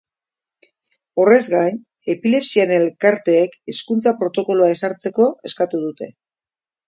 Horrez gain, epilepsiaren elkarteek hezkuntza protokoloa ezartzeko eskatu dute.